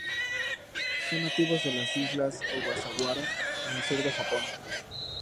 Son nativos de las Islas Ogasawara, al sur de Japón.